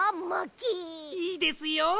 いいですよ。